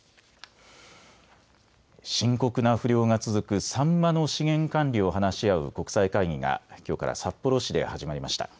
深刻な不漁が続くサンマの資源管理を話し合う国際会議がきょうから札幌市で始まりました。